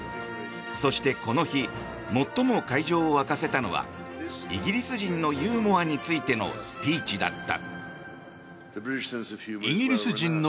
そして、この日最も会場を沸かせたのはイギリス人のユーモアについてのスピーチだった。